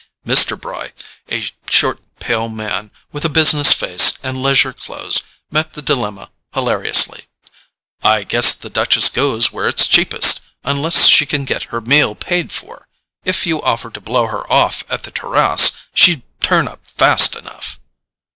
Mr. Bry, a short pale man, with a business face and leisure clothes, met the dilemma hilariously. "I guess the Duchess goes where it's cheapest, unless she can get her meal paid for. If you offered to blow her off at the TERRASSE she'd turn up fast enough."